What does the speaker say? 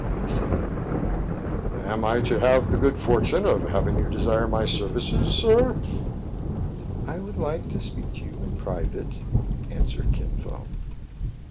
"The same.' " Am I to have the good fortune of having you desire my services, sir }" "I would like to speak to you in private," an swered Kin Fo.